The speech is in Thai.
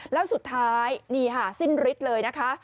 แล้วสุดท้ายนี่ค่ะสิ้นฤทธิ์เลยนะคะ